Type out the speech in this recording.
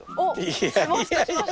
いやいやいや。